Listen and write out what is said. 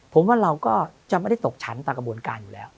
ผมว่าเราก็จะไม่ได้ตกชั้นตามกระบวนการอยู่แล้ว